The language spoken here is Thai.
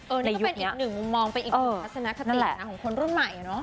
อันนี้ก็เป็นอีกหนึ่งมุมมองเป็นอีกหนึ่งทัศนคตินะของคนรุ่นใหม่เนาะ